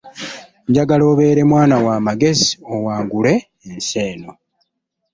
Njagala obeere mwana wa magezi owangule ensi eno.